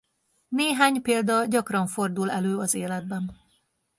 Néhány példa gyakran fordul elő az életben.